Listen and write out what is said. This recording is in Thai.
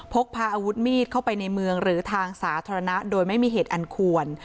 พกพาอาวุธมีดเข้าไปในเมืองหรือทางสาธารณะโดยไม่มีเหตุอันควร